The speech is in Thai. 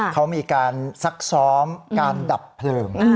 เขามีการซักซ้อมการดับเพลิง